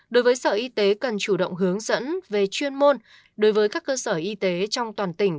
đối với sở y tế cần chủ động hướng dẫn về chuyên môn đối với các cơ sở y tế trong toàn tỉnh